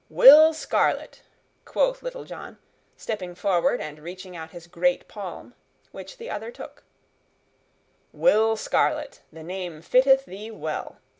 "Will Scarlet," quoth Little John, stepping forward and reaching out his great palm, which the other took, "Will Scarlet, the name fitteth thee well.